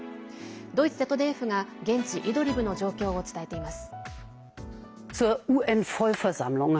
ドイツＺＤＦが、現地イドリブの状況を伝えています。